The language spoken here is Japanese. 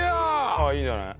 ああいいじゃない。